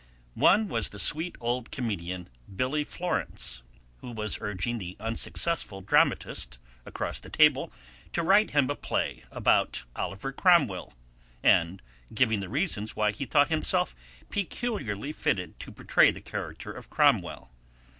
One was the sweet old comedian Billy Florence, who was urging the unsuccessful dramatist across the table to write him a play about Oliver Cromwell, and giving the reasons why he thought himself peculiarly fitted to portray the character of Cromwell.